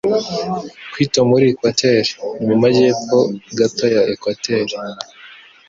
Quito, muri uquateur, ni mu majyepfo gato ya ekwateri.